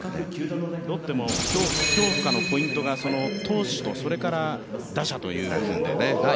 ロッテも、評価のポイントが投手とそれから打者ということで。